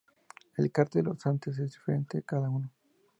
El cartel de Les Santes es diferente cada año.